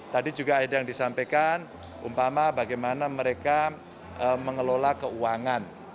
tadi juga ada yang disampaikan umpama bagaimana mereka mengelola keuangan